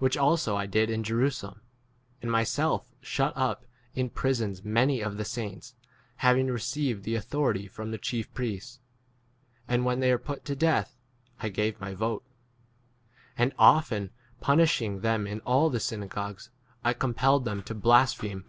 Which also I did in Jerusalem, and myself shut up in prisons many of the saints, having received the autho rity from the chief priests; and when they were put to death I 11 gave my vote. And often punish ing them in all the synagogues, I compelled them to blaspheme.